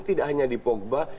tidak hanya di pogba